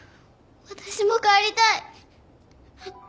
私も帰りたい！